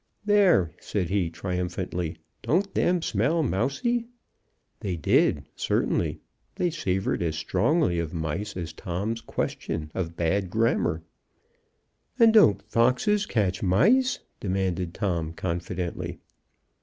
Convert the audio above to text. "There," said he, triumphantly, "don't them smell mousey?" They did, certainly; they savored as strongly of mice as Tom's question of bad grammar. "And don't foxes catch mice?" demanded Tom, confidently.